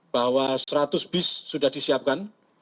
bahwa seratus bis sudah disiapkan